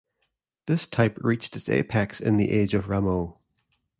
This type reached its apex in the age of Rameau.